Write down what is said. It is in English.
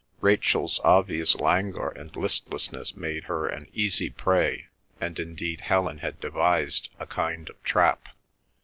Rachel's obvious languor and listlessness made her an easy prey, and indeed Helen had devised a kind of trap.